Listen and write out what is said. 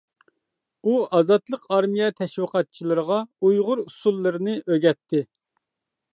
ئۇ ئازادلىق ئارمىيە تەشۋىقاتچىلىرىغا ئۇيغۇر ئۇسسۇللىرىنى ئۆگەتتى.